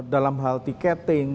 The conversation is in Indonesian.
dalam hal tiketing